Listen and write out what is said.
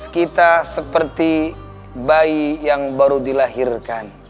kita seperti bayi yang baru dilahirkan